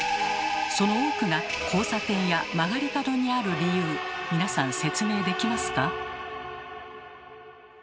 その多くが交差点や曲がり角にある理由皆さん説明できますか？